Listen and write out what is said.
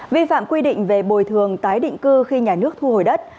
vi phạm quy định về bồi thường tái định cư khi nhà nước thu hồi đất